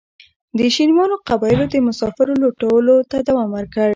د شینوارو قبایلو د مسافرو لوټلو ته دوام ورکړ.